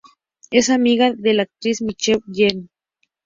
Es amiga de la actriz Michelle Jenner